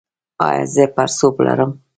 ایا زه پړسوب لرم؟